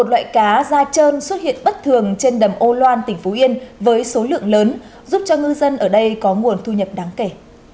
trên đầm ô loan tỉnh phú yên với số lượng lớn giúp cho ngư dân ở đây có nguồn thu nhập đáng kể